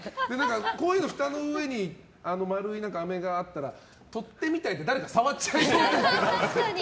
コーヒーのふたの上に丸いあめがあったら取っ手みたいで誰か触っちゃいそう。